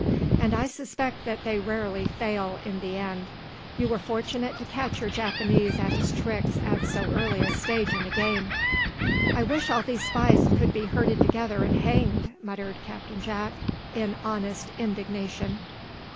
And I suspect that they rarely fail, in the end. You were fortunate to catch your Japanese at his tricks at so early a stage in the game." "I wish all these spies could be herded together and hanged!" muttered Captain Jack, in honest indignation.